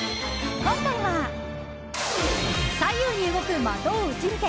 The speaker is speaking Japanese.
今回は左右に動く的を撃ち抜け！